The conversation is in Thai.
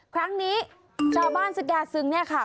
ครั้งนี้ชาวบ้านสแก่ซึ้งเนี่ยค่ะ